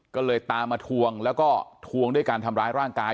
ก็เลยตามมาทวงแล้วก็ทวงด้วยการทำร้ายร่างกาย